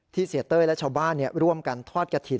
เสียเต้ยและชาวบ้านร่วมกันทอดกระถิ่น